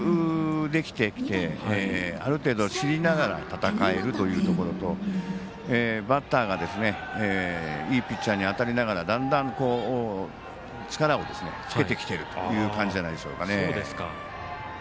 相手のことを研究できてきてある程度、知りながら戦えるというところとバッターがいいピッチャーに当たりながらだんだん、力をつけてきているという感じじゃないでしょうか。